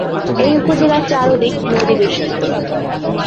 এ উপজেলার চারদিক নদী বেষ্টিত।